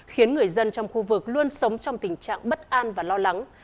khiến người dân trong khu vực luôn sống trong tình trạng bất an và lo lắng